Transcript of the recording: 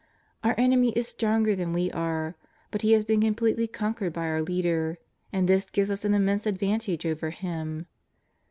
Our enem.y is stronger than we are, but he has been completely conquered by our Leader, and this gives us an immense advantage over him.